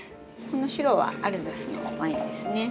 この白はアルザスのワインですね。